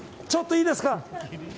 ちょっといいですか？